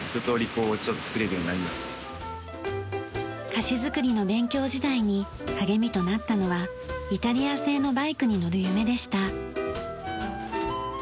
菓子作りの勉強時代に励みとなったのはイタリア製のバイクに乗る夢でした。